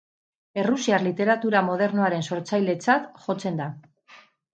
Errusiar literatura modernoaren sortzailetzat jotzen da.